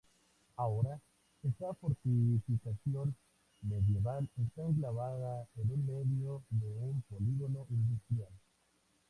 Ahora, esta fortificación medieval está enclavada en medio de un polígono industrial.